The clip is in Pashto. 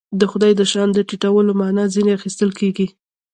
د خدای د شأن د ټیټولو معنا ځنې اخیستل کېږي.